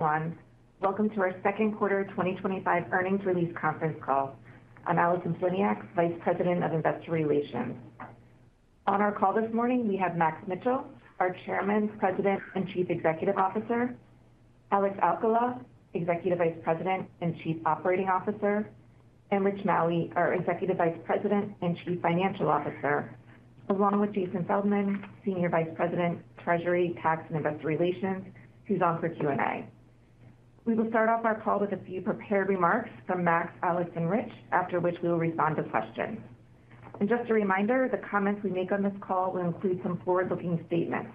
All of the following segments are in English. Everyone, welcome to our second quarter 2025 earnings release conference call. I'm Allison Poliniak, Vice President of Investor Relations. On our call this morning, we have Max Mitchell, our Chairman, President, and Chief Executive Officer; Alex Alcala, Executive Vice President and Chief Operating Officer; and Rich Maue, our Executive Vice President and Chief Financial Officer, along with Jason Feldman, Senior Vice President, Treasury, Tax, and Investor Relations, who's on for Q&A. We will start off our call with a few prepared remarks from Max, Alex, and Rich, after which we will respond to questions. Just a reminder, the comments we make on this call will include some forward-looking statements.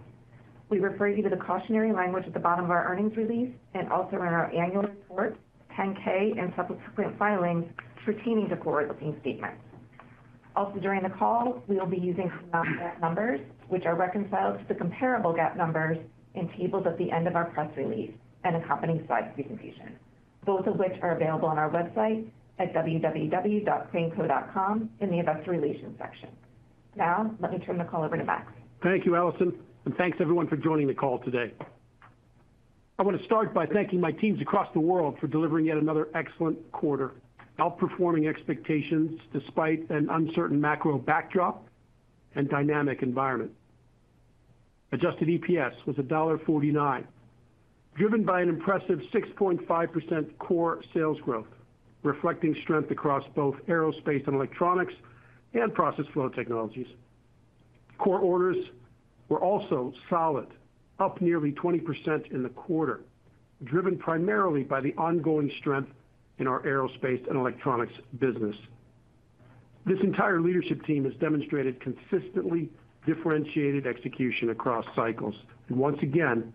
We refer you to the cautionary language at the bottom of our earnings release and also in our annual report, 10-K and subsequent filings pertaining to forward-looking statements. Also, during the call, we will be using GAAP numbers, which are reconciled to the comparable GAAP numbers in tables at the end of our press release and accompanying slide presentation, both of which are available on our website at www.craneco.com in the Investor Relations section. Now, let me turn the call over to Max. Thank you, Allison, and thanks everyone for joining the call today. I want to start by thanking my teams across the world for delivering yet another excellent quarter, outperforming expectations despite an uncertain macro backdrop and dynamic environment. Adjusted EPS was $1.49. Driven by an impressive 6.5% core sales growth, reflecting strength across both Aerospace & Electronics and Process Flow Technologies. Core orders were also solid, up nearly 20% in the quarter, driven primarily by the ongoing strength in our Aerospace & Electronics business. This entire leadership team has demonstrated consistently differentiated execution across cycles. Once again,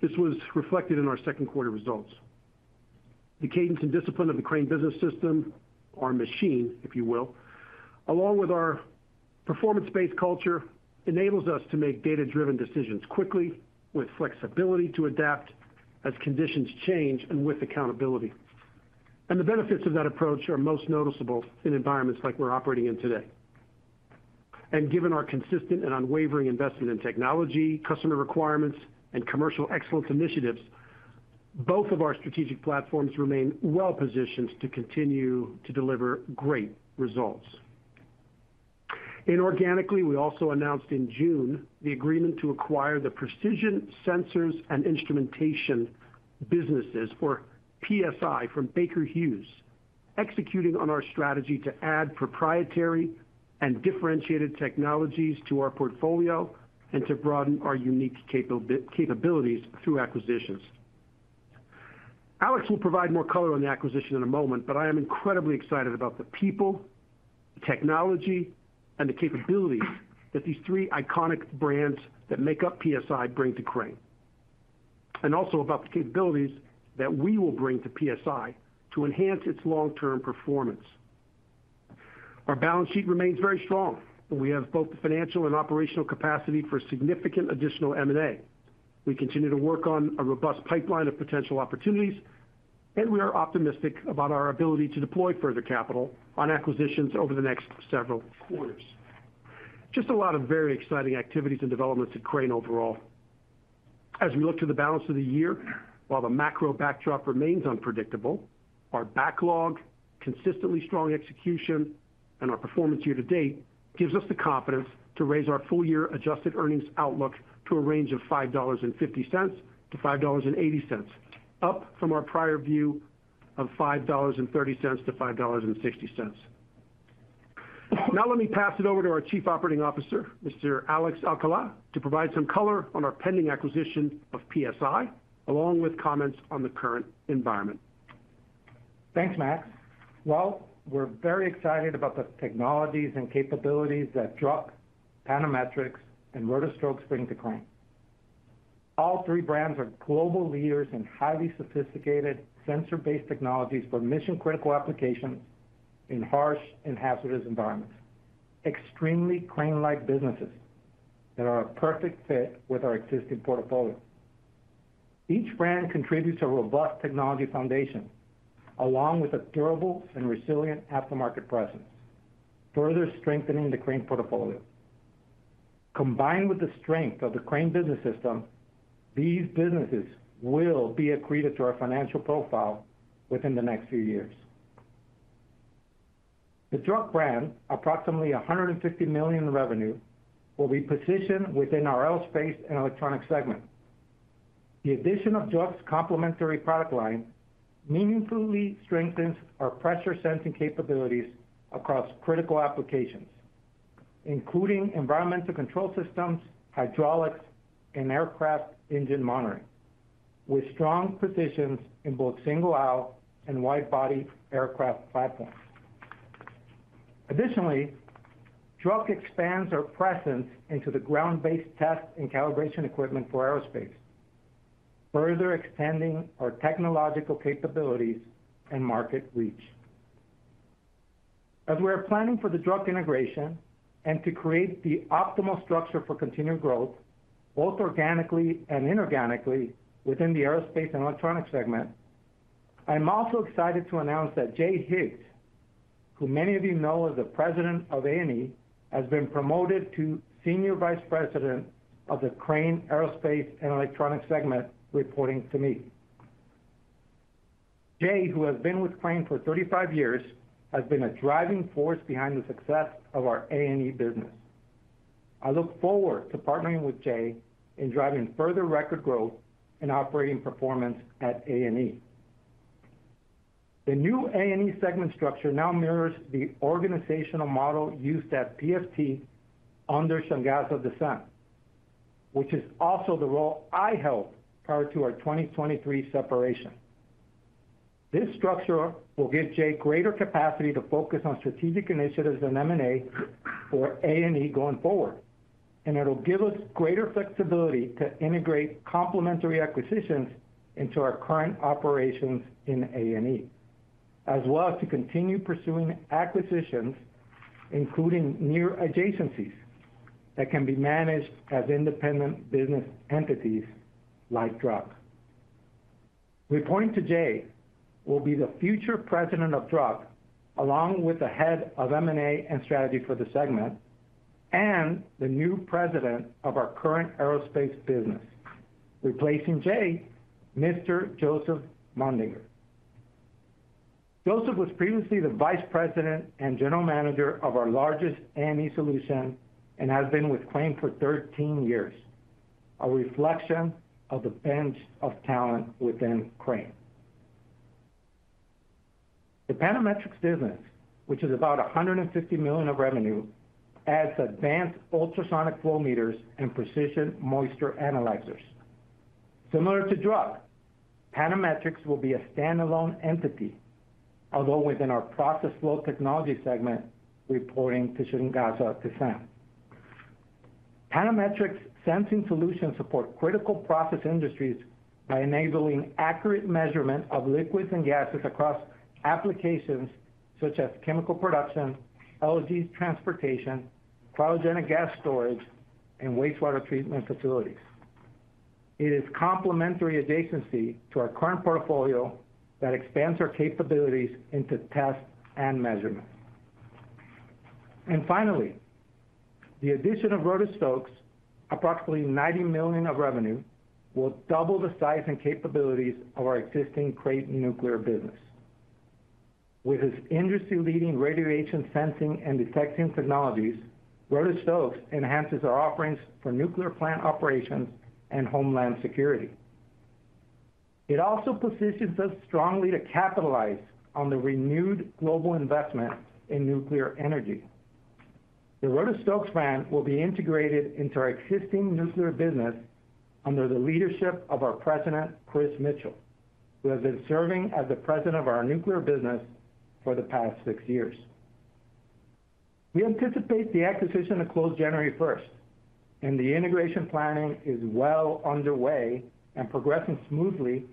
this was reflected in our second quarter results. The cadence and discipline of the Crane business system, our machine, if you will, along with our performance-based culture, enables us to make data-driven decisions quickly, with flexibility to adapt as conditions change and with accountability. The benefits of that approach are most noticeable in environments like we're operating in today. Given our consistent and unwavering investment in technology, customer requirements, and commercial excellence initiatives, both of our strategic platforms remain well-positioned to continue to deliver great results. Inorganically, we also announced in June the agreement to acquire the Precision Sensors & Instrumentation businesses, or PSI, from Baker Hughes, executing on our strategy to add proprietary and differentiated technologies to our portfolio and to broaden our unique capabilities through acquisitions. Alex will provide more color on the acquisition in a moment, but I am incredibly excited about the people, technology, and the capabilities that these three iconic brands that make up PSI bring to Crane. I am also excited about the capabilities that we will bring to PSI to enhance its long-term performance. Our balance sheet remains very strong, and we have both the financial and operational capacity for significant additional M&A. We continue to work on a robust pipeline of potential opportunities, and we are optimistic about our ability to deploy further capital on acquisitions over the next several quarters. Just a lot of very exciting activities and developments at Crane overall. As we look to the balance of the year, while the macro backdrop remains unpredictable, our backlog, consistently strong execution, and our performance year to date gives us the confidence to raise our full-year adjusted earnings outlook to a range of $5.50-$5.80, up from our prior view of $5.30-$5.60. Now, let me pass it over to our Chief Operating Officer, Mr. Alex Alcala, to provide some color on our pending acquisition of PSI, along with comments on the current environment. Thanks, Max. We are very excited about the technologies and capabilities that Druck, Panametrics, and Rotork Stork bring to Crane. All three brands are global leaders in highly sophisticated sensor-based technologies for mission-critical applications in harsh and hazardous environments, extremely Crane-like businesses that are a perfect fit with our existing portfolio. Each brand contributes to a robust technology foundation, along with a durable and resilient aftermarket presence, further strengthening the Crane portfolio. Combined with the strength of the Crane business system, these businesses will be accretive to our financial profile within the next few years. The Druck brand, approximately $150 million in revenue, will be positioned within our Aerospace & Electronics segment. The addition of Druck's complementary product line meaningfully strengthens our pressure sensing capabilities across critical applications, including environmental control systems, hydraulics, and aircraft engine monitoring, with strong positions in both single-aisle and wide-body aircraft platforms. Additionally, Druck expands our presence into the ground-based test and calibration equipment for aerospace, further extending our technological capabilities and market reach. As we are planning for the Druck integration and to create the optimal structure for continued growth, both organically and inorganically, within the Aerospace & Electronics segment, I am also excited to announce that Jay Higgs, who many of you know as the President of A&E, has been promoted to Senior Vice President of the Crane Aerospace & Electronics segment, reporting to me. Jay, who has been with Crane for 35 years, has been a driving force behind the success of our A&E business. I look forward to partnering with Jay in driving further record growth and operating performance at A&E. The new A&E segment structure now mirrors the organizational model used at PFT under Shangaza Dasent, which is also the role I held prior to our 2023 separation. This structure will give Jay greater capacity to focus on strategic initiatives and M&A for A&E going forward, and it will give us greater flexibility to integrate complementary acquisitions into our current operations in A&E, as well as to continue pursuing acquisitions, including near adjacencies that can be managed as independent business entities like Druck. We're pointing to Jay will be the future President of Druck, along with the head of M&A and strategy for the segment. The new President of our current aerospace business, replacing Jay, is Mr. Joseph Mundinger. Joseph was previously the Vice President and General Manager of our largest A&E solution and has been with Crane for 13 years, a reflection of the bench of talent within Crane. The Panametrics business, which is about $150 million of revenue, adds advanced ultrasonic flow meters and precision moisture analyzers. Similar to Druck, Panametrics will be a standalone entity, although within our Process Flow Technologies segment, reporting to Shangaza Dacent. Panametrics sensing solutions support critical process industries by enabling accurate measurement of liquids and gases across applications such as chemical production, LNG transportation, cryogenic gas storage, and wastewater treatment facilities. It is a complementary adjacency to our current portfolio that expands our capabilities into test and measurement. Finally, the addition of Rotork Storks, approximately $90 million of revenue, will double the size and capabilities of our existing Crane nuclear business. With its industry-leading radiation sensing and detecting technologies, Rotork Stork enhances our offerings for nuclear plant operations and homeland security. It also positions us strongly to capitalize on the renewed global investment in nuclear energy. The Rotork Stork brand will be integrated into our existing nuclear business under the leadership of our President, Chris Mitchell, who has been serving as the President of our nuclear business for the past six years. We anticipate the acquisition to close January 1, and the integration planning is well underway and progressing smoothly,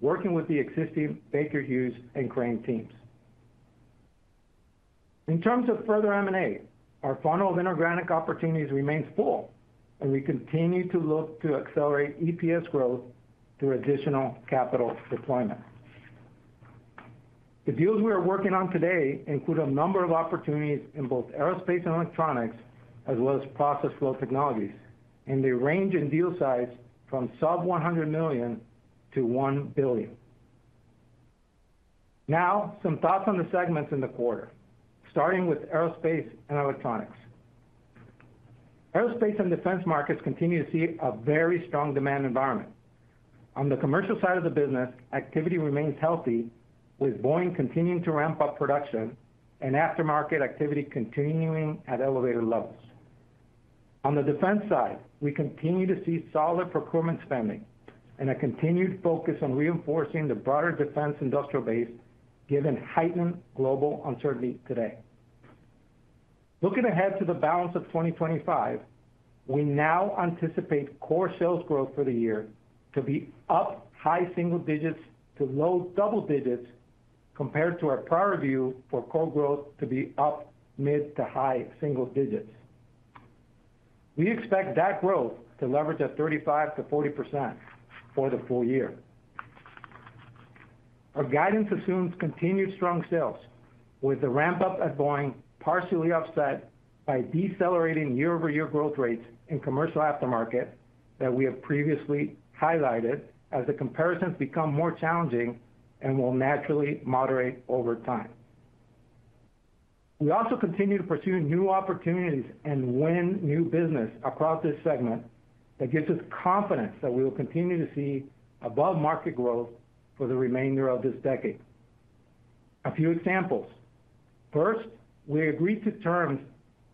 working with the existing Baker Hughes and Crane teams. In terms of further M&A, our funnel of inorganic opportunities remains full, and we continue to look to accelerate EPS growth through additional capital deployment. The deals we are working on today include a number of opportunities in both Aerospace & Electronics, as well as Process Flow Technologies, and they range in deal size from sub-$100 million to $1 billion. Now, some thoughts on the segments in the quarter, starting with Aerospace & Electronics. Aerospace and defense markets continue to see a very strong demand environment. On the commercial side of the business, activity remains healthy, with Boeing continuing to ramp up production and aftermarket activity continuing at elevated levels. On the defense side, we continue to see solid procurement spending and a continued focus on reinforcing the broader defense industrial base, given heightened global uncertainty today. Looking ahead to the balance of 2025, we now anticipate core sales growth for the year to be up high single digits to low double digits compared to our prior view for core growth to be up mid to high single digits. We expect that growth to leverage at 35%-40% for the full year. Our guidance assumes continued strong sales, with the ramp-up at Boeing partially offset by decelerating year-over-year growth rates in commercial aftermarket that we have previously highlighted as the comparisons become more challenging and will naturally moderate over time. We also continue to pursue new opportunities and win new business across this segment that gives us confidence that we will continue to see above-market growth for the remainder of this decade. A few examples. First, we agreed to terms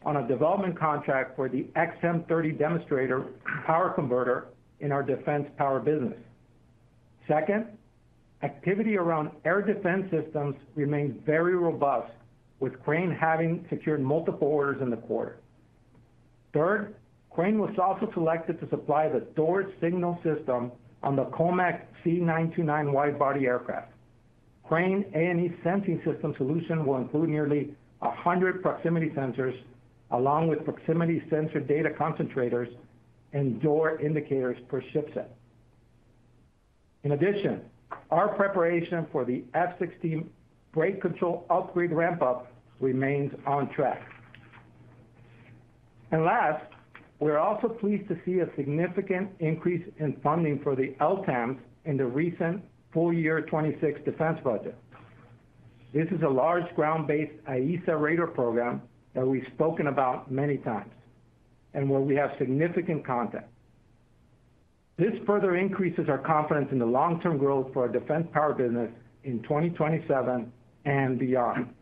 on a development contract for the XM30 demonstrator power converter in our defense power business. Second, activity around air defense systems remains very robust, with Crane having secured multiple orders in the quarter. Third, Crane was also selected to supply the Door Signal System on the COMAC C929 wide-body aircraft. Crane A&E sensing system solution will include nearly 100 proximity sensors, along with proximity sensor data concentrators and door indicators per ship set. In addition, our preparation for the F-16 brake control upgrade ramp-up remains on track. Last, we're also pleased to see a significant increase in funding for the LTAMs in the recent full-year 2026 defense budget. This is a large ground-based AESA radar program that we've spoken about many times and where we have significant contact. This further increases our confidence in the long-term growth for our defense power business in 2027 and beyond.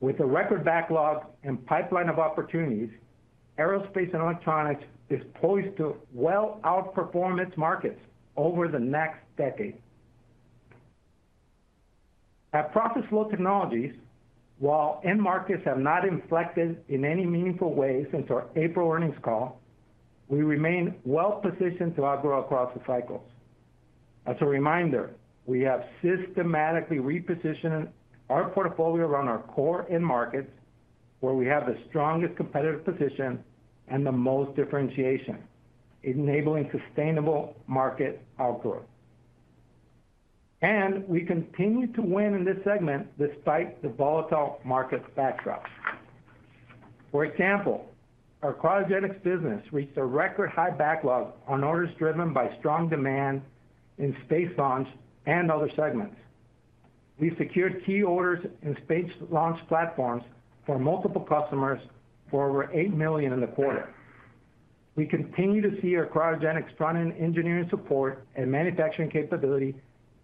With the record backlog and pipeline of opportunities, Aerospace & Electronics is poised to well outperform its markets over the next decade. At Process Flow Technologies, while end markets have not inflected in any meaningful ways since our April earnings call, we remain well-positioned to outgrow across the cycles. As a reminder, we have systematically repositioned our portfolio around our core end markets, where we have the strongest competitive position and the most differentiation, enabling sustainable market outgrowth. We continue to win in this segment despite the volatile market backdrop. For example, our cryogenics business reached a record high backlog on orders driven by strong demand in space launch and other segments. We secured key orders in space launch platforms for multiple customers for over $8 million in the quarter. We continue to see our cryogenics front-end engineering support and manufacturing capability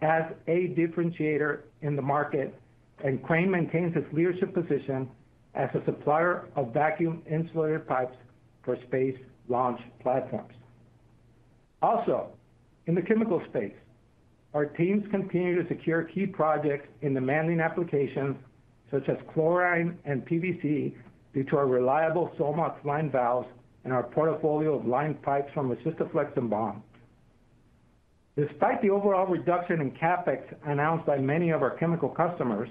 as a differentiator in the market, and Crane maintains its leadership position as a supplier of vacuum insulated pipes for space launch platforms. Also, in the chemical space, our teams continue to secure key projects in demanding applications such as chlorine and PVC due to our reliable Xomox line valves and our portfolio of line pipes from Resistoflex and Bond. Despite the overall reduction in CapEx announced by many of our chemical customers,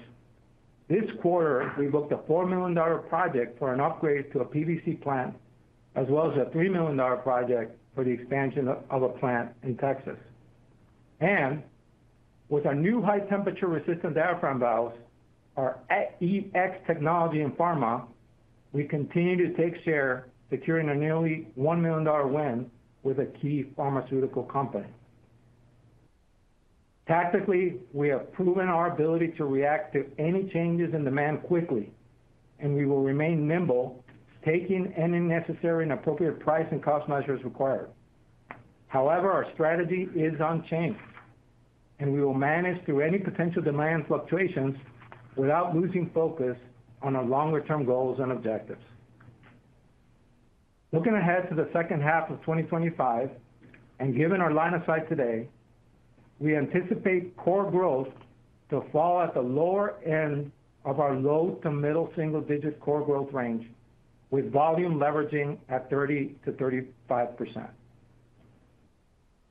this quarter, we booked a $4 million project for an upgrade to a PVC plant, as well as a $3 million project for the expansion of a plant in Texas. With our new high-temperature resistant diaphragm valves, our XT Technology and Pharma, we continue to take share, securing a nearly $1 million win with a key pharmaceutical company. Tactically, we have proven our ability to react to any changes in demand quickly, and we will remain nimble, taking any necessary and appropriate price and cost measures required. However, our strategy is unchanged, and we will manage through any potential demand fluctuations without losing focus on our longer-term goals and objectives. Looking ahead to the second half of 2025, and given our line of sight today, we anticipate core growth to fall at the lower end of our low to middle single-digit core growth range, with volume leveraging at 30-35%.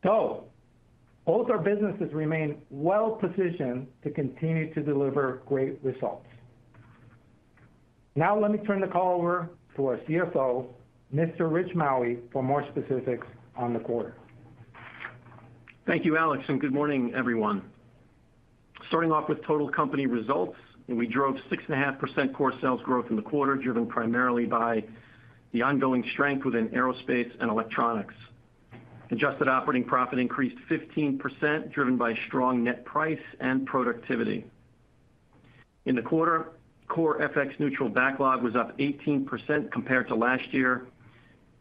Both our businesses remain well-positioned to continue to deliver great results. Now, let me turn the call over to our CFO, Mr. Rich Maue, for more specifics on the quarter. Thank you, Alex, and good morning, everyone. Starting off with total company results, we drove 6.5% core sales growth in the quarter, driven primarily by the ongoing strength within aerospace and electronics. Adjusted operating profit increased 15%, driven by strong net price and productivity. In the quarter, core FX neutral backlog was up 18% compared to last year,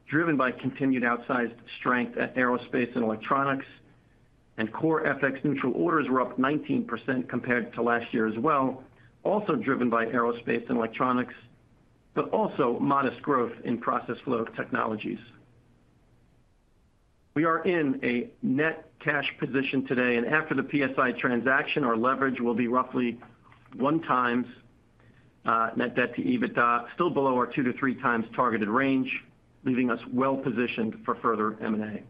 driven by continued outsized strength at Aerospace & Electronics, and core FX neutral orders were up 19% compared to last year as well, also driven by Aerospace & Electronics, but also modest growth in Process Flow Technologies. We are in a net cash position today, and after the PSI transaction, our leverage will be roughly one times. Net debt to EBITDA, still below our two to three times targeted range, leaving us well-positioned for further M&A.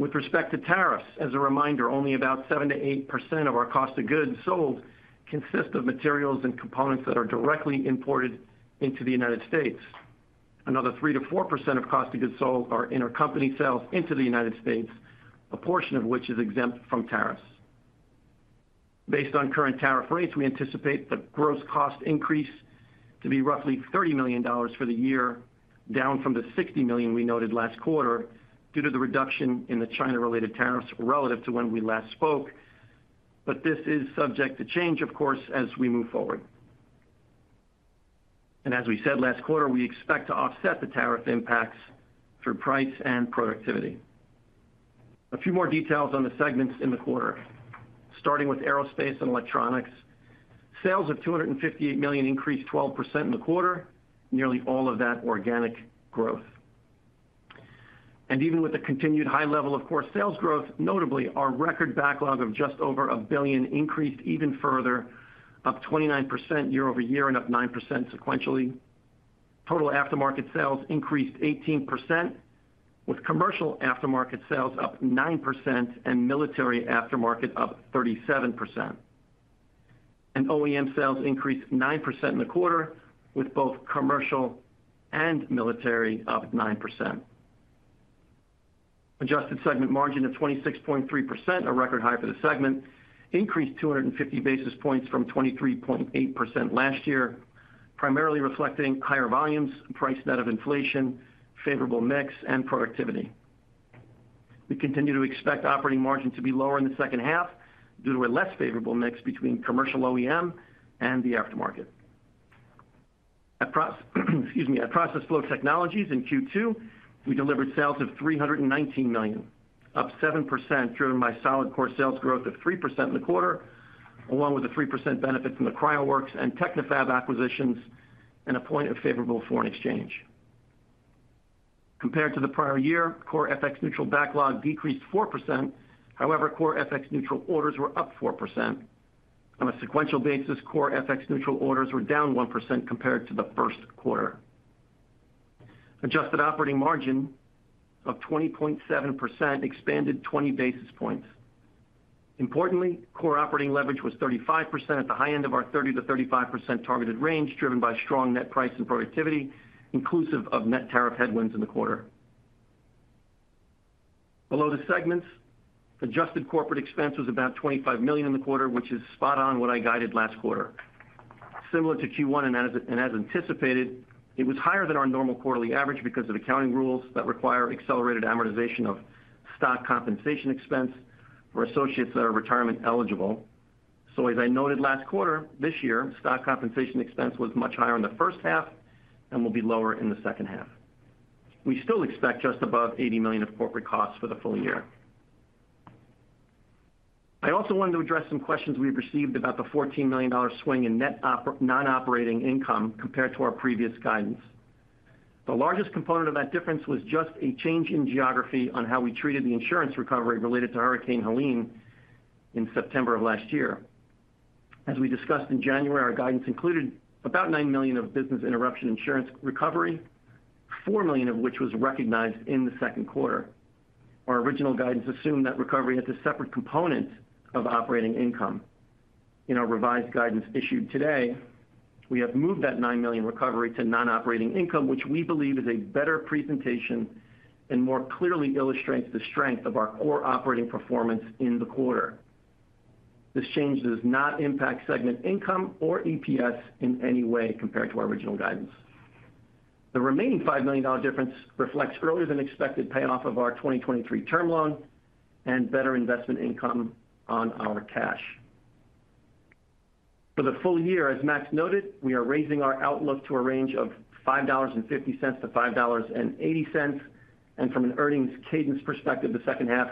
With respect to tariffs, as a reminder, only about 7-8% of our cost of goods sold consist of materials and components that are directly imported into the United States. Another 3-4% of cost of goods sold are intercompany sales into the United States, a portion of which is exempt from tariffs. Based on current tariff rates, we anticipate the gross cost increase to be roughly $30 million for the year, down from the $60 million we noted last quarter due to the reduction in the China-related tariffs relative to when we last spoke. This is subject to change, of course, as we move forward. As we said last quarter, we expect to offset the tariff impacts through price and productivity. A few more details on the segments in the quarter. Starting with Aerospace & Electronics, sales of $258 million increased 12% in the quarter, nearly all of that organic growth. Even with the continued high level of core sales growth, notably, our record backlog of just over $1 billion increased even further, up 29% year-over-year and up 9% sequentially. Total aftermarket sales increased 18%, with commercial aftermarket sales up 9% and military aftermarket up 37%. OEM sales increased 9% in the quarter, with both commercial and military up 9%. Adjusted segment margin of 26.3%, a record high for the segment, increased 250 basis points from 23.8% last year, primarily reflecting higher volumes, price net of inflation, favorable mix, and productivity. We continue to expect operating margin to be lower in the second half due to a less favorable mix between commercial OEM and the aftermarket. At Process Flow Technologies in Q2, we delivered sales of $319 million, up 7%, driven by solid core sales growth of 3% in the quarter, along with a 3% benefit from the Cryoworks and Technophab acquisitions and a point of favorable foreign exchange. Compared to the prior year, core FX neutral backlog decreased 4%. However, core FX neutral orders were up 4%. On a sequential basis, core FX neutral orders were down 1% compared to the first quarter. Adjusted operating margin of 20.7% expanded 20 basis points. Importantly, core operating leverage was 35% at the high end of our 30-35% targeted range, driven by strong net price and productivity, inclusive of net tariff headwinds in the quarter. Below the segments, adjusted corporate expense was about $25 million in the quarter, which is spot on what I guided last quarter. Similar to Q1 and as anticipated, it was higher than our normal quarterly average because of accounting rules that require accelerated amortization of stock compensation expense for associates that are retirement eligible. As I noted last quarter, this year, stock compensation expense was much higher in the first half and will be lower in the second half. We still expect just above $80 million of corporate costs for the full year. I also wanted to address some questions we've received about the $14 million swing in net non-operating income compared to our previous guidance. The largest component of that difference was just a change in geography on how we treated the insurance recovery related to Hurricane Helene in September of last year. As we discussed in January, our guidance included about $9 million of business interruption insurance recovery, $4 million of which was recognized in the second quarter. Our original guidance assumed that recovery had two separate components of operating income. In our revised guidance issued today, we have moved that $9 million recovery to non-operating income, which we believe is a better presentation and more clearly illustrates the strength of our core operating performance in the quarter. This change does not impact segment income or EPS in any way compared to our original guidance. The remaining $5 million difference reflects earlier than expected payoff of our 2023 term loan and better investment income on our cash. For the full year, as Max noted, we are raising our outlook to a range of $5.50-$5.80. From an earnings cadence perspective, the second half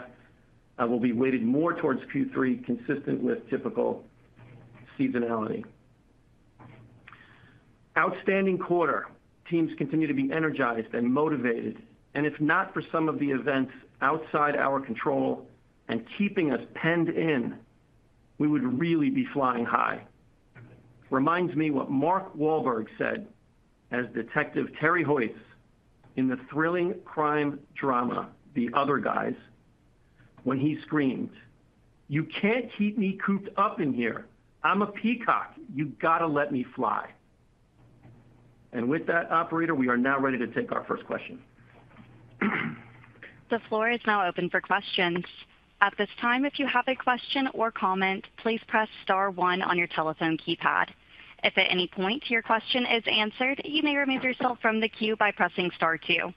will be weighted more towards Q3, consistent with typical seasonality. Outstanding quarter. Teams continue to be energized and motivated. If not for some of the events outside our control and keeping us penned in, we would really be flying high. Reminds me what Mark Wahlberg said as Detective Terry Hoytz in the thrilling crime drama, The Other Guys, when he screamed, "You can't keep me cooped up in here. I'm a peacock. You got to let me fly." With that, operator, we are now ready to take our first question. The floor is now open for questions. At this time, if you have a question or comment, please press star one on your telephone keypad. If at any point your question is answered, you may remove yourself from the queue by pressing star two.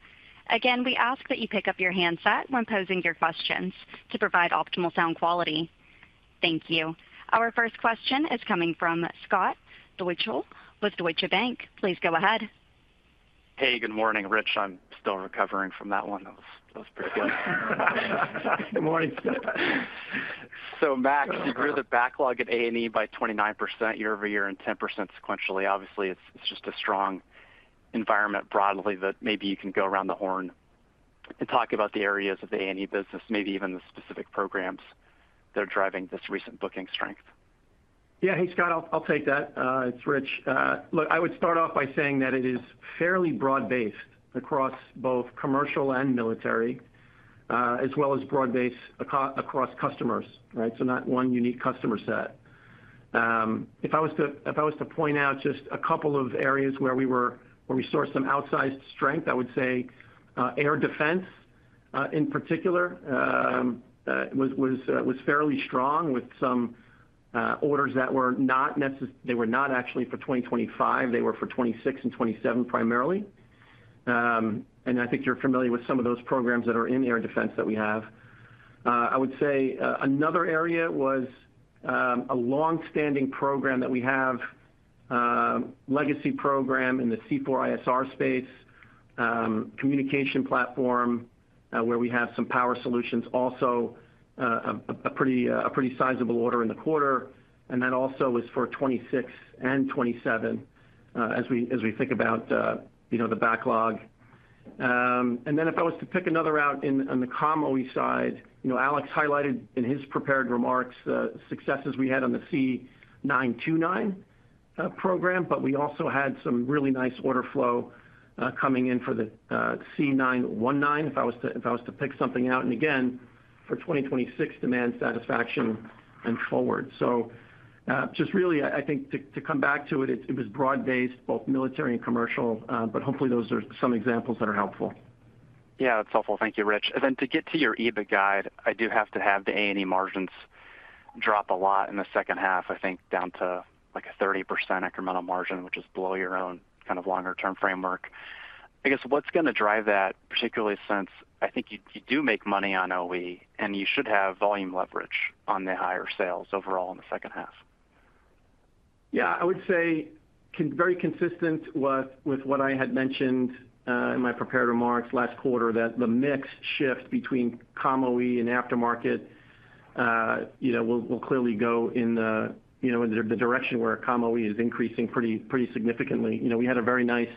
Again, we ask that you pick up your handset when posing your questions to provide optimal sound quality. Thank you. Our first question is coming from Scott Deuschle with Deutsche Bank. Please go ahead. Hey, good morning, Rich. I'm still recovering from that one. That was pretty good. Good morning, Scott. Max, you grew the backlog at A&E by 29% year-over-year and 10% sequentially. Obviously, it's just a strong environment broadly that maybe you can go around the horn and talk about the areas of the A&E business, maybe even the specific programs that are driving this recent booking strength. Yeah, hey, Scott, I'll take that. It's Rich. I would start off by saying that it is fairly broad-based across both commercial and military, as well as broad-based across customers, right? Not one unique customer set. If I was to point out just a couple of areas where we sourced some outsized strength, I would say air defense in particular was fairly strong with some orders that were not actually for 2025. They were for 2026 and 2027 primarily. I think you're familiar with some of those programs that are in air defense that we have. I would say another area was a long-standing program that we have, legacy program in the C4ISR space, communication platform, where we have some power solutions also, a pretty sizable order in the quarter. That also was for 2026 and 2027. As we think about the backlog, if I was to pick another out on the COMAC side, Alex highlighted in his prepared remarks the successes we had on the C929 program, but we also had some really nice order flow coming in for the C919, if I was to pick something out. Again, for 2026, demand satisfaction and forward. Just really, I think, to come back to it, it was broad-based, both military and commercial, but hopefully those are some examples that are helpful. Yeah, that's helpful. Thank you, Rich. To get to your EBIT guide, I do have to have the A&E margins drop a lot in the second half, I think, down to like a 30% incremental margin, which is below your own kind of longer-term framework. I guess what's going to drive that, particularly since I think you do make money on OE, and you should have volume leverage on the higher sales overall in the second half? I would say, very consistent with what I had mentioned in my prepared remarks last quarter, that the mix shift between COMAC and aftermarket will clearly go in the direction where COMAC is increasing pretty significantly. We had a very nice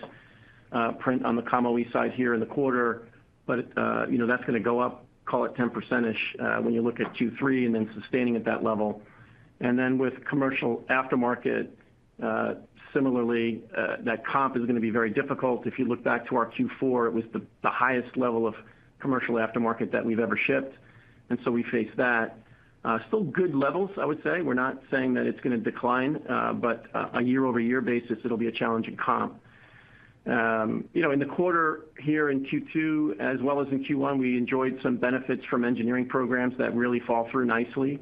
print on the COMAC side here in the quarter, but that's going to go up, call it 10%-ish, when you look at Q3 and then sustaining at that level. With commercial aftermarket, similarly, that comp is going to be very difficult. If you look back to our Q4, it was the highest level of commercial aftermarket that we've ever shipped. We faced that. Still good levels, I would say. We're not saying that it's going to decline, but on a year-over-year basis, it'll be a challenging comp. In the quarter here in Q2, as well as in Q1, we enjoyed some benefits from engineering programs that really fall through nicely.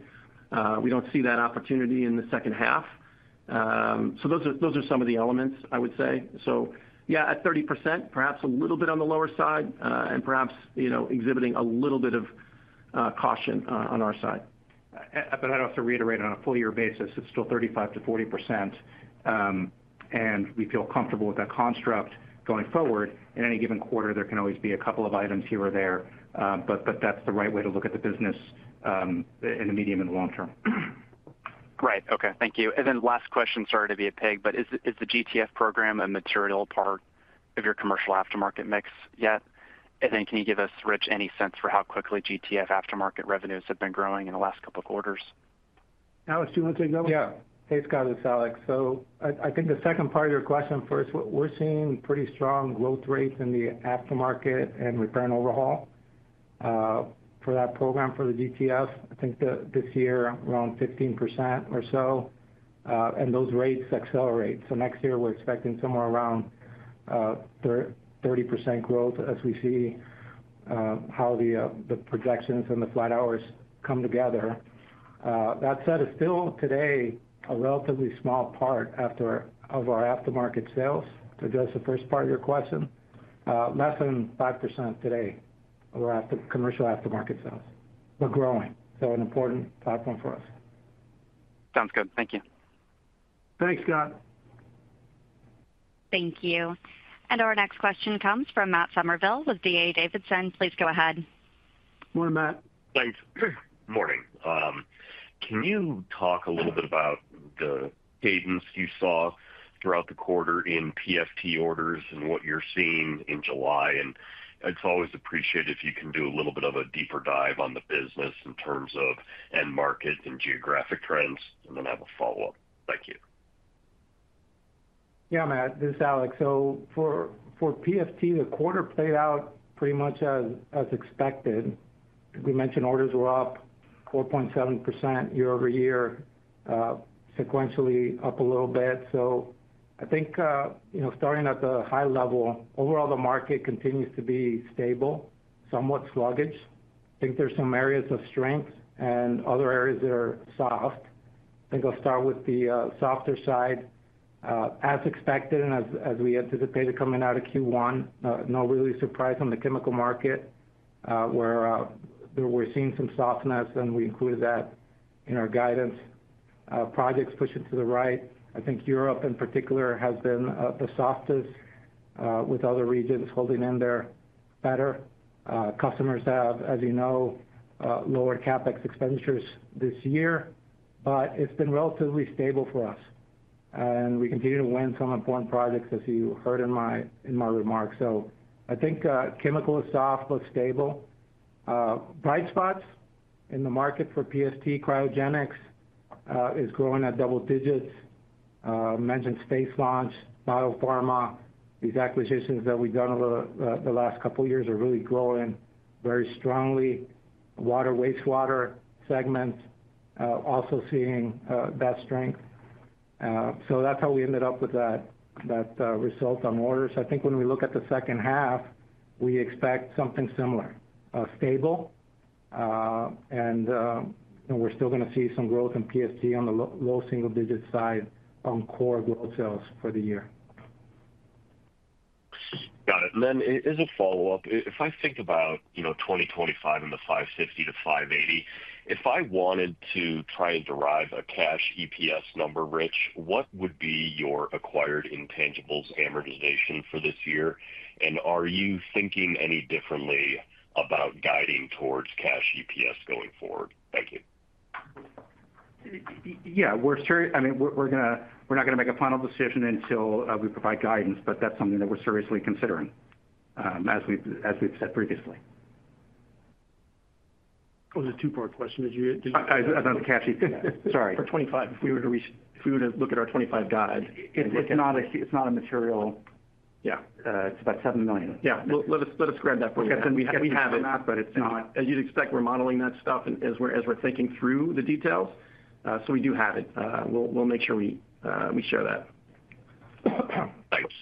We don't see that opportunity in the second half. Those are some of the elements, I would say. At 30%, perhaps a little bit on the lower side, and perhaps exhibiting a little bit of caution on our side. I'd also reiterate, on a full-year basis, it's still 35-40%. We feel comfortable with that construct going forward. In any given quarter, there can always be a couple of items here or there, but that's the right way to look at the business in the medium and long term. Right. Thank you. Last question, started to be a pig, but is the GTF program a material part of your commercial aftermarket mix yet? Can you give us, Rich, any sense for how quickly GTF aftermarket revenues have been growing in the last couple of quarters? Alex, do you want to take that one? Yeah. Hey, Scott, this is Alex. I think the second part of your question first, we're seeing pretty strong growth rates in the aftermarket and return overhaul for that program, for the GTF. I think this year around 15% or so, and those rates accelerate. Next year, we're expecting somewhere around 30% growth as we see how the projections and the flight hours come together. That said, it's still today a relatively small part of our aftermarket sales. Just the first part of your question. Less than 5% today of our commercial aftermarket sales, but growing. An important platform for us. Sounds good. Thank you. Thanks, Scott. Thank you. Our next question comes from Matt Summerville with D.A. Davidson. Please go ahead. Morning, Matt. Thanks. Morning. Can you talk a little bit about the cadence you saw throughout the quarter in PFT orders and what you're seeing in July? It's always appreciated if you can do a little bit of a deeper dive on the business in terms of end market and geographic trends, and then have a follow-up. Thank you. Yeah, Matt. This is Alex. For PFT, the quarter played out pretty much as expected. We mentioned orders were up 4.7% year-over-year. Sequentially up a little bit. I think, starting at the high level, overall, the market continues to be stable, somewhat sluggish. I think there's some areas of strength and other areas that are soft. I'll start with the softer side. As expected and as we anticipated coming out of Q1, no real surprise on the chemical market, where we're seeing some softness, and we included that in our guidance. Projects pushing to the right. I think Europe, in particular, has been the softest, with other regions holding in there better. Customers have, as you know, lowered CapEx expenditures this year, but it's been relatively stable for us. We continue to win some important projects, as you heard in my remarks. I think chemical is soft, but stable. Bright spots in the market for PFT: cryogenics is growing at double digits. Mentioned space launch, biopharma. These acquisitions that we've done over the last couple of years are really growing very strongly. Water, wastewater segment also seeing that strength. That's how we ended up with that result on orders. When we look at the second half, we expect something similar. Stable. We're still going to see some growth in PFT on the low single-digit side on core growth sales for the year. Got it. As a follow-up, if I think about 2025 and the 550-580, if I wanted to try and derive a cash EPS number, Rich, what would be your acquired intangibles amortization for this year? Are you thinking any differently about guiding towards cash EPS going forward? Thank you. Yeah. I mean, we're not going to make a final decision until we provide guidance, but that's something that we're seriously considering. As we've said previously. Was it a two-part question? Did you? I don't have the cash EPS. Sorry. For 2025, if we were to look at our 2025 guide, it's not a material. Yeah. It's about $7 million. Yeah. Let us grab that for you. We have it, but it's not. As you'd expect, we're modeling that stuff as we're thinking through the details. So we do have it. We'll make sure we share that. Thanks.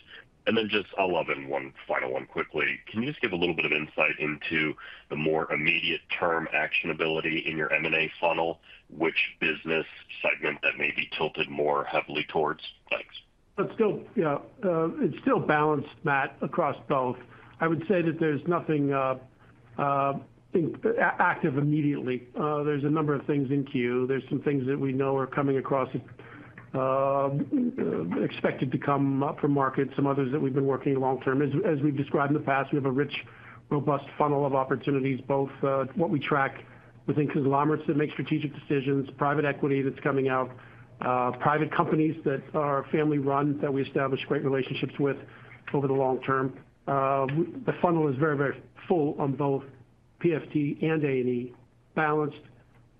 And then just I'll love in one final one quickly. Can you just give a little bit of insight into the more immediate term actionability in your M&A funnel? Which business segment that may be tilted more heavily towards? Thanks. Let's go. Yeah. It's still balanced, Matt, across both. I would say that there's nothing. Active immediately. There's a number of things in queue. There's some things that we know are coming across. Expected to come up for market, some others that we've been working long-term. As we've described in the past, we have a rich, robust funnel of opportunities, both what we track within conglomerates that make strategic decisions, private equity that's coming out. Private companies that are family-run that we establish great relationships with over the long term. The funnel is very, very full on both PFT and A&E. Balanced.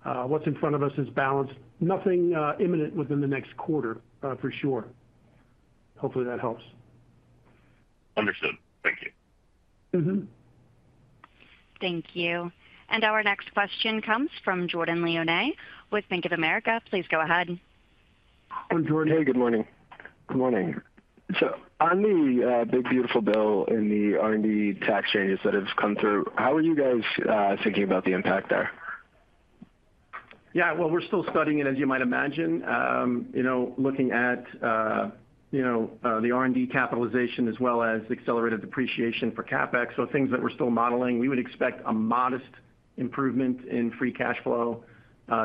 What's in front of us is balanced. Nothing imminent within the next quarter for sure. Hopefully, that helps. Understood. Thank you. Thank you. And our next question comes from Jordan Lyonnais with Bank of America. Please go ahead. Jordan, hey, good morning. Good morning. On the big, beautiful bill in the R&D tax changes that have come through, how are you guys thinking about the impact there? Yeah, we're still studying it, as you might imagine. Looking at the R&D capitalization as well as accelerated depreciation for CapEx. Things that we're still modeling. We would expect a modest improvement in free cash flow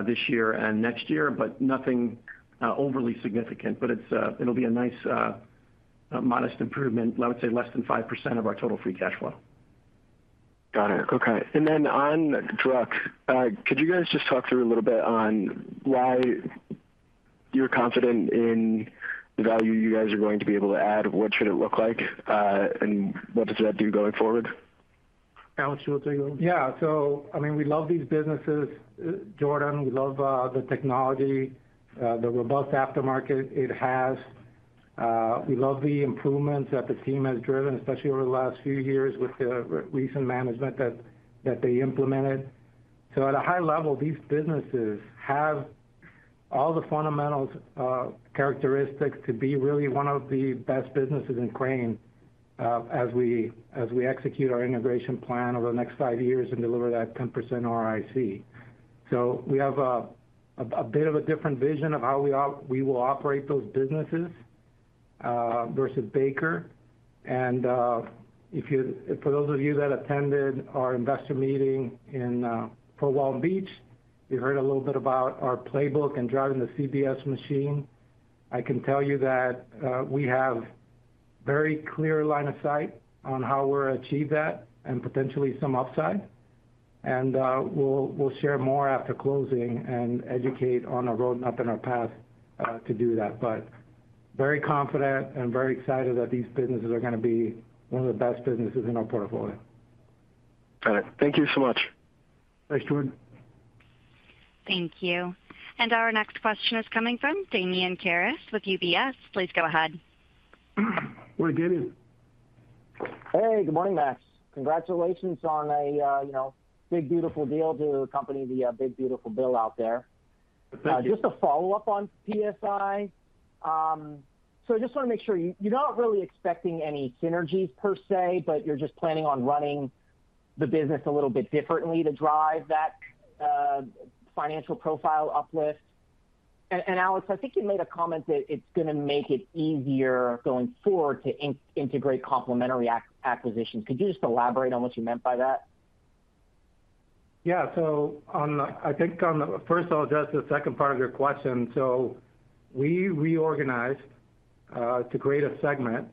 this year and next year, but nothing overly significant. It'll be a nice, modest improvement. I would say less than 5% of our total free cash flow. Got it. Okay. And then on Druck, could you guys just talk through a little bit on why you're confident in the value you guys are going to be able to add? What should it look like? And what does that do going forward? Alex, you want to take it over? Yeah. So, I mean, we love these businesses, Jordan. We love the technology, the robust aftermarket it has. We love the improvements that the team has driven, especially over the last few years with the recent management that they implemented. At a high level, these businesses have all the fundamental characteristics to be really one of the best businesses in Crane. As we execute our integration plan over the next five years and deliver that 10% ROIC. We have a bit of a different vision of how we will operate those businesses versus Baker. For those of you that attended our investor meeting in Fort Walton Beach, you heard a little bit about our playbook and driving the CBS machine. I can tell you that we have a very clear line of sight on how we're going to achieve that and potentially some upside. We'll share more after closing and educate on our roadmap and our path to do that. Very confident and very excited that these businesses are going to be one of the best businesses in our portfolio. Got it. Thank you so much. Thanks, Jordan. Thank you.you. Our next question is coming from Damian Mark Karas with UBS. Please go ahead. What a good. Hey, good morning, Max. Congratulations on a big, beautiful deal to accompany the big, beautiful bill out there. Just a follow-up on PSI. I just want to make sure you're not really expecting any synergies per se, but you're just planning on running the business a little bit differently to drive that financial profile uplift. Alex, I think you made a comment that it's going to make it easier going forward to integrate complementary acquisitions. Could you just elaborate on what you meant by that? Yeah. I think first I'll address the second part of your question. We reorganized to create a segment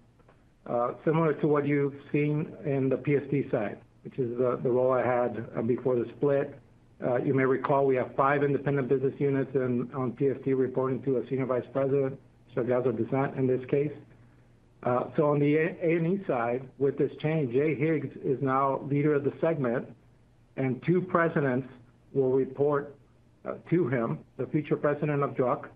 similar to what you've seen in the PFT side, which is the role I had before the split. You may recall we have five independent business units on PFT reporting to a Senior Vice President, Shangaza Dasent in this case. On the A&E side, with this change, Jay Higgs is now leader of the segment. Two presidents will report to him, the future president of Druck,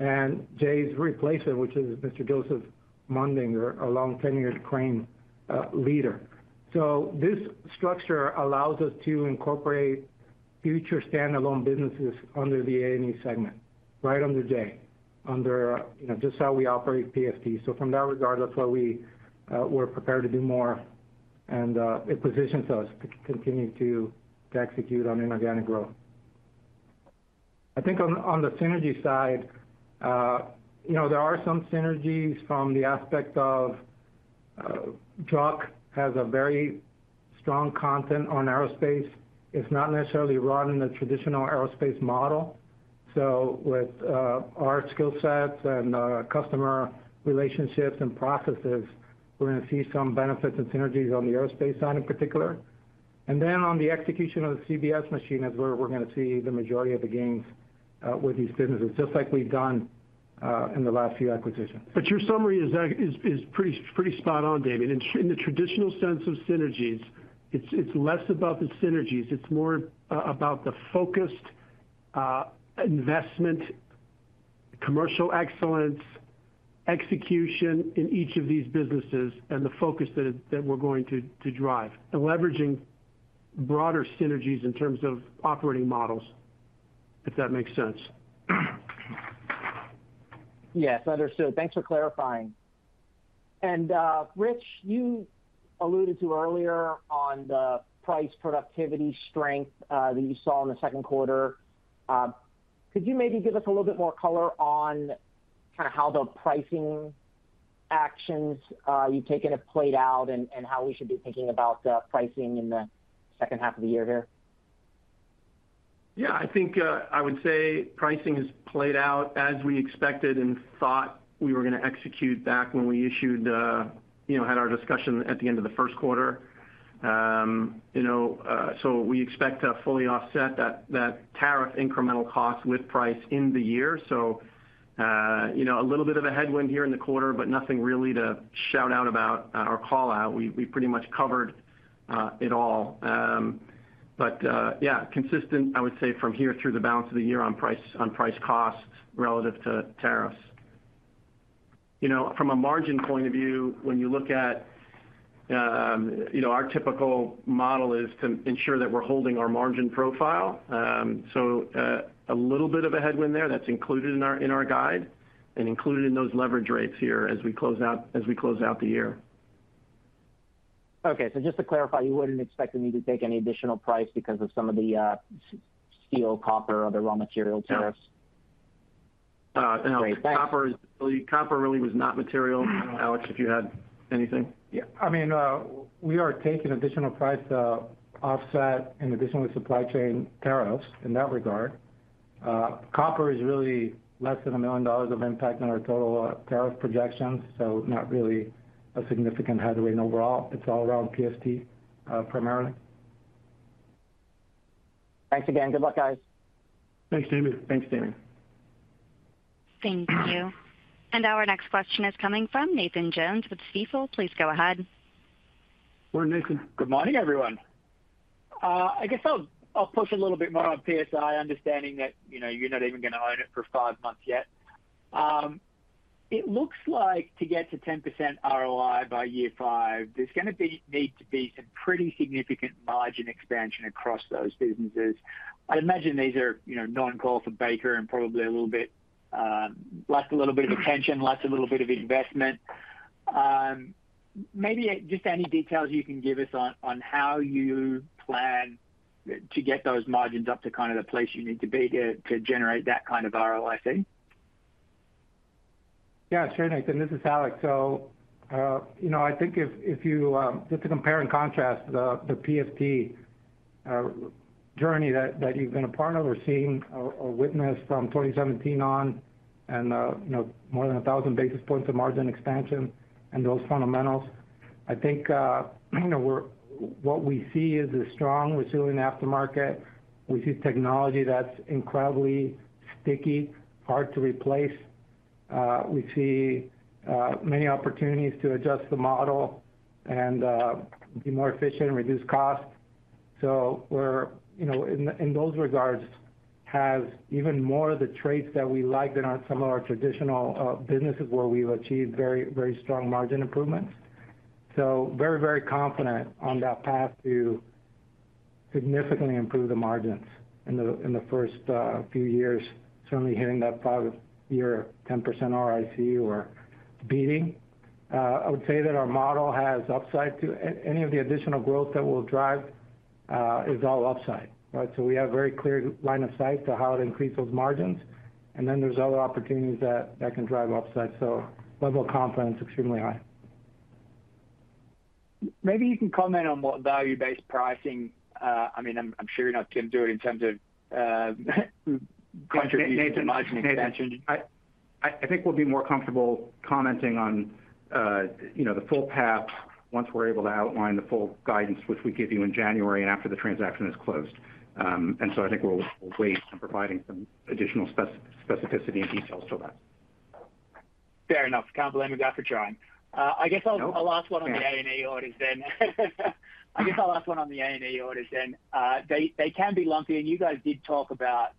and Jay's replacement, which is Mr. Joseph Mundinger, a long-tenured Crane leader. This structure allows us to incorporate future standalone businesses under the A&E segment, right under Jay, under just how we operate PFT. From that regard, that's why we're prepared to do more. It positions us to continue to execute on inorganic growth. I think on the synergy side. There are some synergies from the aspect of. Druck has a very strong content on aerospace. It's not necessarily run in the traditional aerospace model. With our skill sets and customer relationships and processes, we're going to see some benefits and synergies on the aerospace side in particular. On the execution of the CBS machine is where we're going to see the majority of the gains with these businesses, just like we've done in the last few acquisitions. Your summary is pretty spot on, Damien. In the traditional sense of synergies, it's less about the synergies. It's more about the focused investment, commercial excellence, execution in each of these businesses, and the focus that we're going to drive. Leveraging broader synergies in terms of operating models, if that makes sense. Yes. Understood. Thanks for clarifying. Rich, you alluded to earlier on the price productivity strength that you saw in the second quarter. Could you maybe give us a little bit more color on how the pricing actions you've taken have played out and how we should be thinking about pricing in the second half of the year here? Yeah. I think I would say pricing has played out as we expected and thought we were going to execute back when we issued, had our discussion at the end of the first quarter. We expect to fully offset that tariff incremental cost with price in the year. A little bit of a headwind here in the quarter, but nothing really to shout out about or call out. We pretty much covered it all. Yeah, consistent, I would say, from here through the balance of the year on price costs relative to tariffs. From a margin point of view, when you look at our typical model, it is to ensure that we're holding our margin profile. A little bit of a headwind there. That's included in our guide and included in those leverage rates here as we close out the year. Okay. Just to clarify, you wouldn't expect for me to take any additional price because of some of the steel, copper, or other raw material tariffs? No. Copper really was not material. Alex, if you had anything. Yeah. I mean, we are taking additional price offset in addition with supply chain tariffs in that regard. Copper is really less than $1 million of impact on our total tariff projections, so not really a significant headwind overall. It's all around PST primarily. Thanks again. Good luck, guys. Thanks, Damien. Thanks, Damien. Thank you. Our next question is coming from Nathan Jones with Stifel. Please go ahead. Morning, Nathan. Good morning, everyone. I guess I'll push a little bit more on PSI, understanding that you're not even going to own it for five months yet. It looks like to get to 10% ROIC by year five, there's going to need to be some pretty significant margin expansion across those businesses. I'd imagine these are non-core for Baker and probably a little bit less, a little bit of attention, less, a little bit of investment. Maybe just any details you can give us on how you plan to get those margins up to kind of the place you need to be to generate that kind of ROIC. Yeah. Sure, Nathan. This is Alex.I think if you just compare and contrast the PFT journey that you've been a part of or seen or witnessed from 2017 on and more than 1,000 basis points of margin expansion and those fundamentals, I think what we see is a strong resilient aftermarket. We see technology that's incredibly sticky, hard to replace. We see many opportunities to adjust the model and be more efficient, reduce cost. In those regards, it has even more of the traits that we like than some of our traditional businesses where we've achieved very, very strong margin improvements. Very, very confident on that path to significantly improve the margins in the first few years, certainly hitting that five-year 10% ROIC or beating. I would say that our model has upside to any of the additional growth that will drive. Is all upside, right? We have a very clear line of sight to how to increase those margins. Then there's other opportunities that can drive upside. Level of confidence is extremely high. Maybe you can comment on what value-based pricing—I mean, I'm sure you're not going to do it in terms of contributing to margin expansion. I think we'll be more comfortable commenting on the full path once we're able to outline the full guidance, which we give you in January and after the transaction is closed. I think we'll wait on providing some additional specificity and details to that. Fair enough. Can't blame you guys for trying. I guess I'll ask one on the A&E orders then. They can be lumpy, and you guys did talk about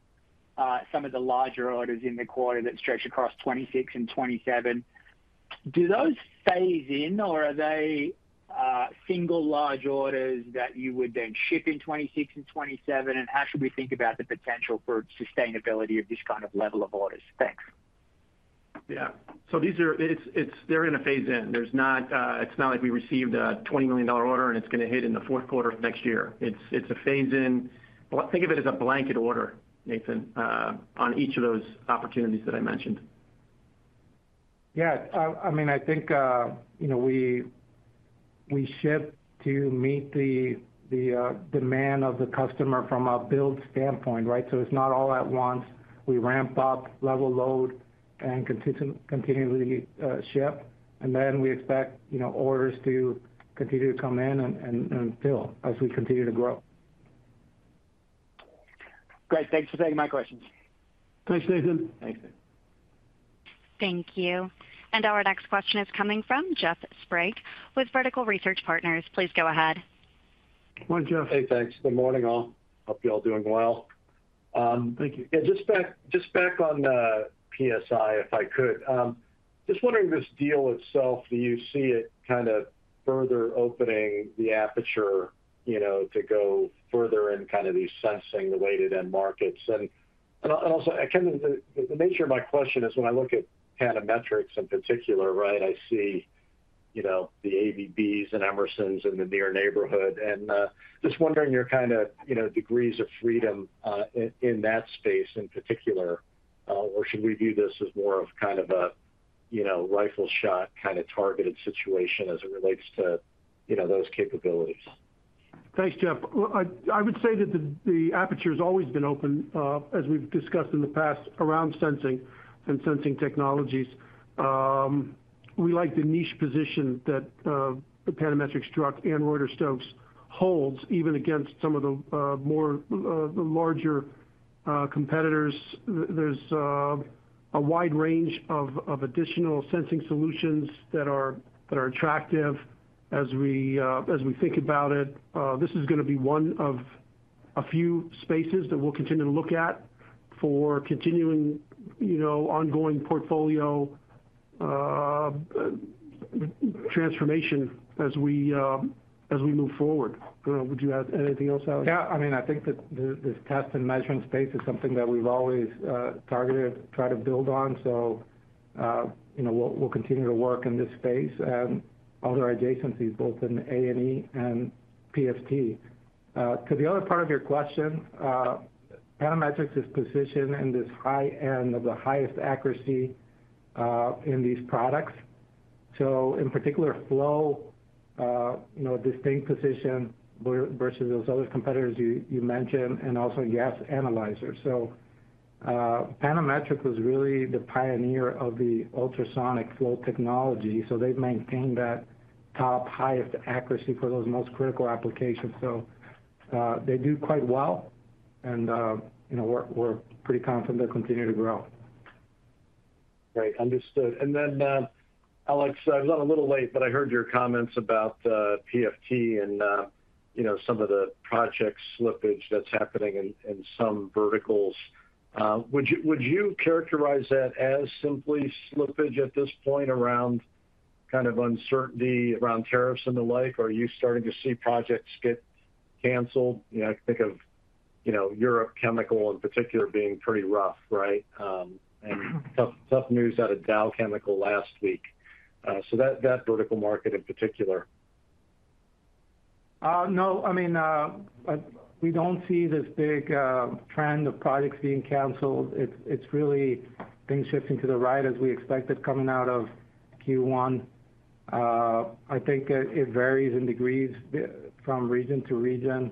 some of the larger orders in the quarter that stretch across 2026 and 2027.Do those phase in, or are they single large orders that you would then ship in 2026 and 2027? And how should we think about the potential for sustainability of this kind of level of orders? Thanks. Yeah. They're in a phase in. It's not like we received a $20 million order and it's going to hit in the fourth quarter of next year. It's a phase in. Think of it as a blanket order, Nathan, on each of those opportunities that I mentioned. Yeah. I mean, I think we ship to meet the demand of the customer from a build standpoint, right? It's not all at once. We ramp up, level load, and continually ship. We expect orders to continue to come in and fill as we continue to grow. Great. Thanks for taking my questions. Thanks, Nathan. Thank you. Thank you. Our next question is coming from Jeff Sprague with Vertical Research Partners. Please go ahead. Morning, Jeff. Hey, thanksGood morning, all. Hope you're all doing well. Thank you. Yeah. Just back on PSI, if I could. Just wondering, this deal itself, do you see it kind of further opening the aperture to go further in kind of these sensing weighted end markets? Also, the nature of my question is, when I look at Panametrics in particular, right, I see the ABBs and Emersons in the near neighborhood. Just wondering your kind of degrees of freedom in that space in particular. Or should we view this as more of a rifle shot kind of targeted situation as it relates to those capabilities? Thanks, Jeff. I would say that the aperture has always been open, as we've discussed in the past, around sensing and sensing technologies. We like the niche position that Panametrics, Druck, and Rotork Stork holds, even against some of the larger competitors. There's a wide range of additional sensing solutions that are attractive as we think about it. This is going to be one of a few spaces that we'll continue to look at for continuing ongoing portfolio transformation as we move forward. Would you add anything else, Alex? Yeah. I mean, I think that this test and measuring space is something that we've always targeted, tried to build on. We'll continue to work in this space and other adjacencies, both in A&E and PFT. To the other part of your question, Panametrics is positioned in this high end of the highest accuracy in these products. In particular, flow. A distinct position versus those other competitors you mentioned, and also gas analyzers. Panametrics was really the pioneer of the ultrasonic flow technology. So they've maintained that top highest accuracy for those most critical applications. They do quite well. We're pretty confident they'll continue to grow. Great. Understood. Then, Alex, I was on a little late, but I heard your comments about PFT and some of the project slippage that's happening in some verticals. Would you characterize that as simply slippage at this point around kind of uncertainty around tariffs and the like? Are you starting to see projects get canceled? I think of Europe Chemical in particular being pretty rough, right? Tough news out of Dow Chemical last week. So that vertical market in particular. No. I mean, we don't see this big trend of projects being canceled. It's really things shifting to the right as we expected coming out of Q1. I think it varies in degrees from region to region.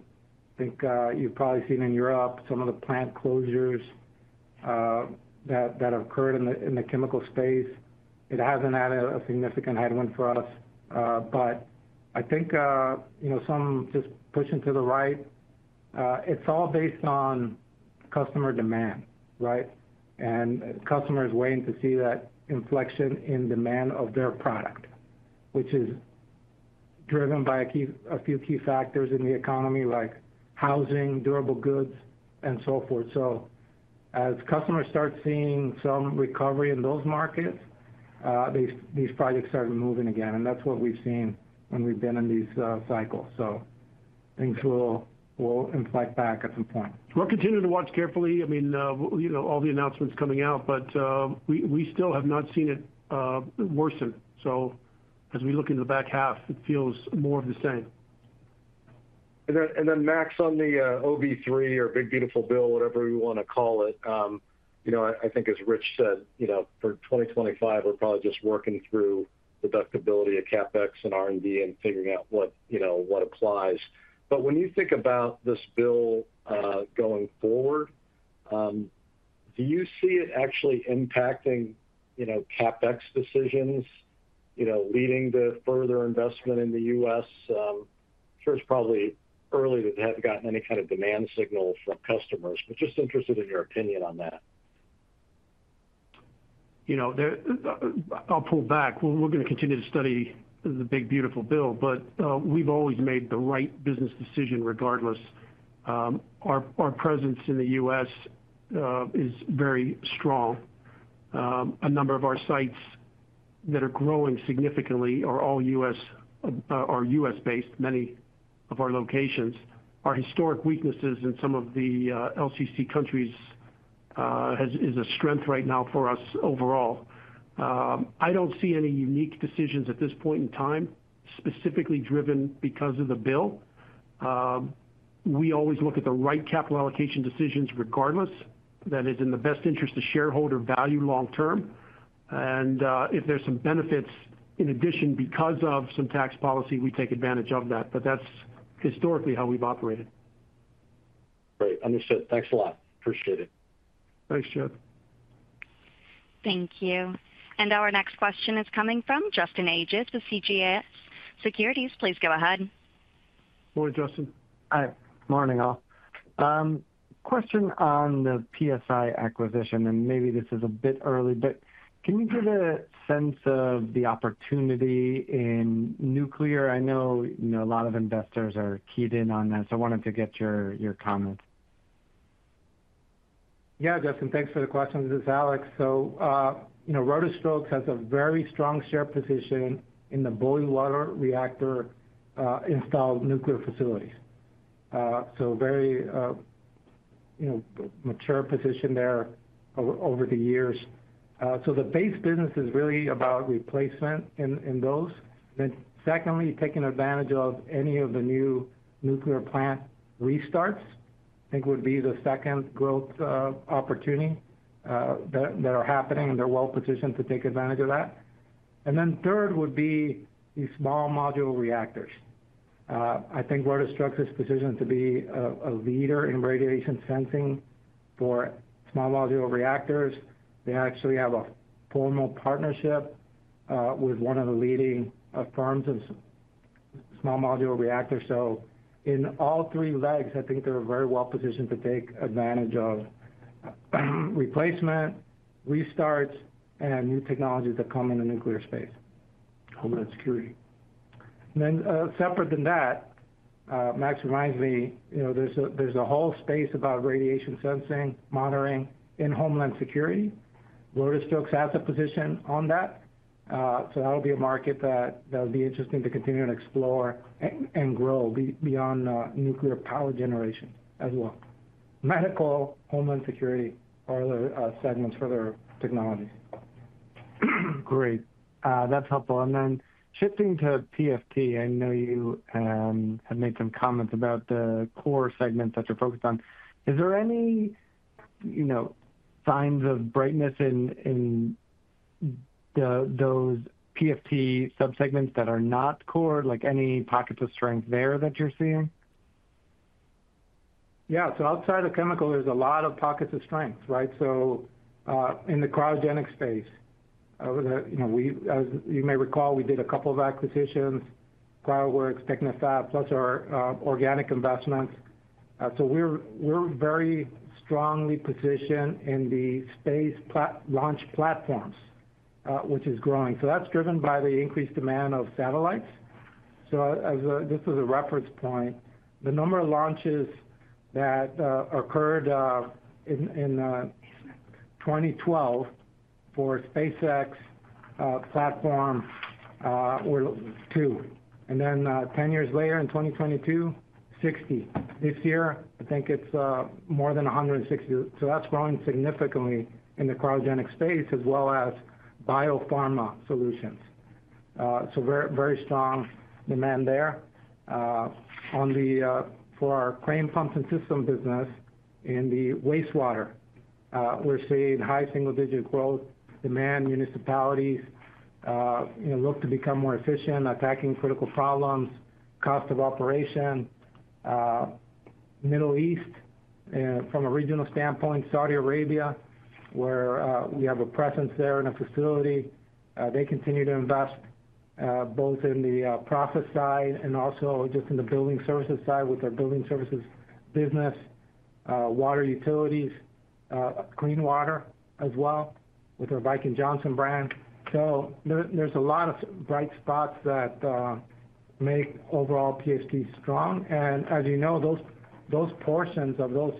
I think you've probably seen in Europe some of the plant closures that have occurred in the chemical space. It hasn't had a significant headwind for us. I think some just pushing to the right. It's all based on customer demand, right? Customers waiting to see that inflection in demand of their product, which is driven by a few key factors in the economy like housing, durable goods, and so forth. As customers start seeing some recovery in those markets, these projects start moving again. That's what we've seen when we've been in these cycles. Things will inflect back at some point. We'll continue to watch carefully. I mean, all the announcements coming out, but we still have not seen it worsen. As we look into the back half, it feels more of the same. Then Max on the OB3 or Big Beautiful Bill, whatever we want to call it.I think, as Rich said, for 2025, we're probably just working through deductibility of CapEx and R&D and figuring out what applies. When you think about this bill going forward, do you see it actually impacting CapEx decisions, leading to further investment in the U.S.? I'm sure it's probably early to have gotten any kind of demand signal from customers, but just interested in your opinion on that. I'll pull back. We're going to continue to study the Big Beautiful Bill, but we've always made the right business decision regardless. Our presence in the U.S. is very strong. A number of our sites that are growing significantly are all U.S. based. Many of our locations are historic weaknesses in some of the LCC countries. Is a strength right now for us overall. I do not see any unique decisions at this point in time, specifically driven because of the bill. We always look at the right capital allocation decisions regardless. That is in the best interest of shareholder value long term. If there are some benefits in addition because of some tax policy, we take advantage of that. That is historically how we have operated. Great. Understood. Thanks a lot. Appreciate it. Thanks, Jeff. Thank you. Our next question is coming from Justin Ages of CJS Securities. Please go ahead. Morning, Justin. Hi. Morning, all. Question on the PSI acquisition, and maybe this is a bit early, but can you give a sense of the opportunity in nuclear? I know a lot of investors are keyed in on that, so I wanted to get your comment. Yeah, Justin, thanks for the question. This is Alex. Rotork Stork has a very strong share position in the Boiling Water Reactor installed nuclear facilities. Very mature position there over the years. The base business is really about replacement in those. Secondly, taking advantage of any of the new nuclear plant restarts, I think would be the second growth opportunity that are happening, and they are well positioned to take advantage of that. Third would be these small module reactors. I think Rotork Stork is positioned to be a leader in radiation sensing for small module reactors. They actually have a formal partnership with one of the leading firms in small module reactors. In all three legs, I think they are very well positioned to take advantage of replacement, restarts, and new technologies that come in the nuclear space. Homeland Security. Separate from that, Max reminds me, there is a whole space about radiation sensing, monitoring in homeland security. Rotork Stork has a position on that. That will be a market that will be interesting to continue to explore and grow beyond nuclear power generation as well. Medical, homeland security, are the segments for their technologies. Great. That is helpful. Shifting to PFT, I know you have made some comments about the core segments that you are focused on. Is there any signs of brightness in those PFT subsegments that are not core, like any pockets of strength there that you are seeing? Yeah. Outside of chemical, there are a lot of pockets of strength, right? In the cryogenic space, as you may recall, we did a couple of acquisitions: Cryoworks, Technifab, plus our organic investments. We're very strongly positioned in the space launch platforms, which is growing. That's driven by the increased demand of satellites. As a reference point, the number of launches that occurred in 2012 for SpaceX platform were 2, and then 10 years later, in 2022, 60. This year, I think it's more than 160. That's growing significantly in the cryogenic space as well as biopharma solutions. Very strong demand there for our Crane pump and system business. In the wastewater, we're seeing high single-digit growth. Demand, municipalities look to become more efficient, attacking critical problems, cost of operation. Middle East, from a regional standpoint, Saudi Arabia, where we have a presence there in a facility, they continue to invest both in the process side and also just in the building services side with their building services business. Water utilities, clean water as well with their Viking Johnson brand. There's a lot of bright spots that make overall PFT strong. As you know, those portions of those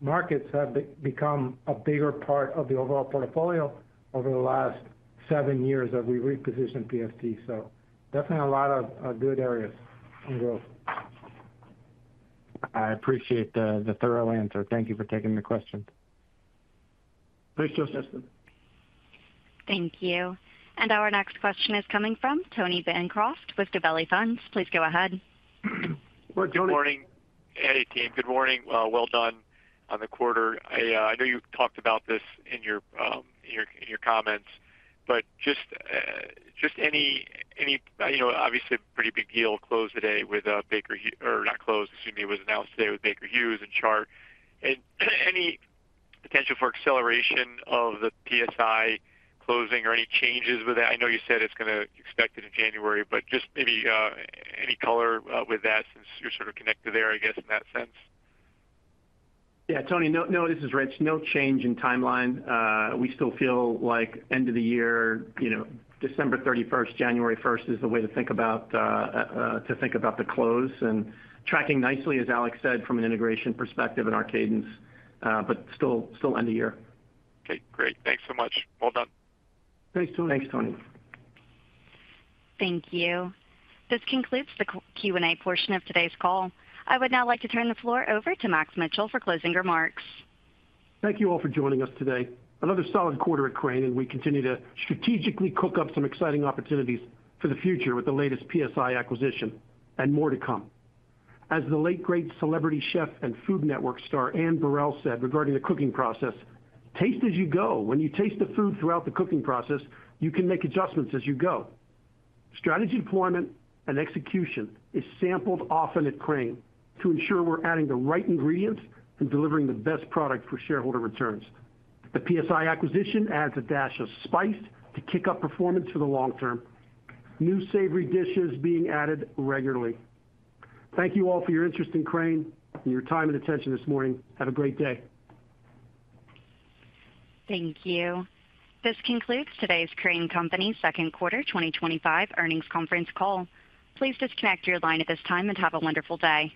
markets have become a bigger part of the overall portfolio over the last seven years as we reposition PFT. Definitely a lot of good areas and growth. I appreciate the thorough answer. Thank you for taking the question. Thanks, Justin. Thank you. Our next question is coming from Tony Bancroft with Gabelli Funds. Please go ahead. Good morning, Eddie team. Good morning. Well done on the quarter. I know you talked about this in your comments, but just any, obviously, pretty big deal close today with Baker or not close, assuming it was announced today with Baker Hughes and Chart, and any potential for acceleration of the PSI closing or any changes with that? I know you said it's going to expect it in January, but just maybe any color with that since you're sort of connected there, I guess, in that sense. Yeah, Tony, no, this is Rich. No change in timeline. We still feel like end of the year, December 31, January 1 is the way to think about the close. Tracking nicely, as Alex said, from an integration perspective and our cadence, but still end of year. Okay. Great. Thanks so much. Well done. Thanks, Tony. Thanks, Tony. Thank you. This concludes the Q&A portion of today's call. I would now like to turn the floor over to Max Mitchell for closing remarks. Thank you all for joining us today. Another solid quarter at Crane, and we continue to strategically cook up some exciting opportunities for the future with the latest PSI acquisition and more to come. As the late great celebrity chef and Food Network star Anne Burrell said regarding the cooking process, "Taste as you go. When you taste the food throughout the cooking process, you can make adjustments as you go." Strategy deployment and execution is sampled often at Crane to ensure we're adding the right ingredients and delivering the best product for shareholder returns. The PSI acquisition adds a dash of spice to kick up performance for the long term. New savory dishes being added regularly. Thank you all for your interest in Crane and your time and attention this morning. Have a great day. Thank you. This concludes today's Crane Company Second Quarter 2025 Earnings Conference call. Please disconnect your line at this time and have a wonderful day.